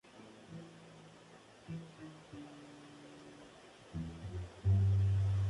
Fue el único portaaviones alemán durante la Segunda Guerra Mundial.